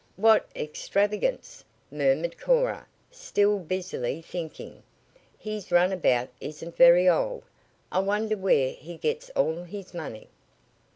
"What extravagance!" murmured Cora, still busily thinking. "His runabout isn't very old. I wonder where he gets all his money?"